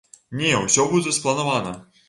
Не, усё будзе спланавана.